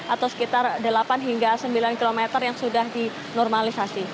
atau sekitar delapan hingga sembilan km yang sudah dinormalisasi